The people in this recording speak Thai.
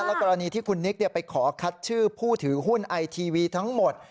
กรณีที่คุณนิกไปขอคัดชื่อผู้ถือหุ้นไอทีวีทั้งหมด